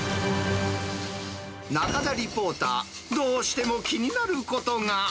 中田リポーター、どうしても気になることが。